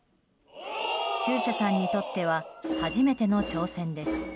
中車さんにとっては初めての挑戦です。